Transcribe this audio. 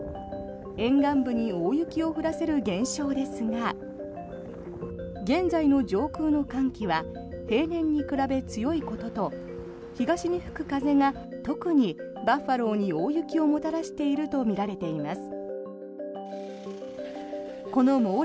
沿岸部に大雪を降らせる現象ですが現在の上空の寒気は平年に比べ強いことと東に吹く風が特にバファローに大雪をもたらしているとみられています。